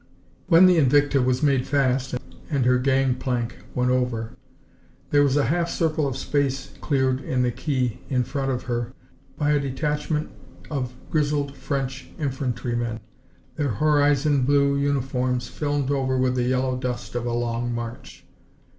When the Invicta was made fast and her gang plank went over, there was a half circle of space cleared in the quay in front of her by a detachment of grizzled French infantrymen, their horizon blue uniforms filmed over with the yellow dust of a long march.